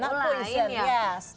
oh lain ya